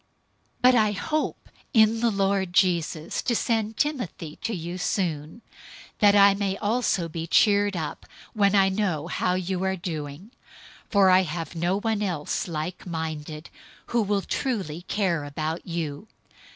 002:019 But I hope in the Lord Jesus to send Timothy to you soon, that I also may be cheered up when I know how you are doing. 002:020 For I have no one else like minded, who will truly care about you.